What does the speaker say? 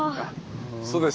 そうですね